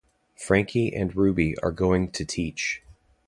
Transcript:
Frankie and Ruby are going to teach.